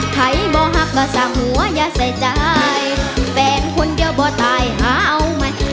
ใครบ่หักก็สั่งหัวอย่าใส่ใจแฟนคนเดียวบ่ตายหาเอาไหม